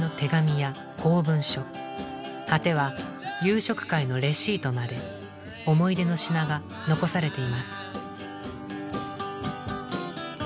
果ては夕食会のレシートまで思い出の品が残されています。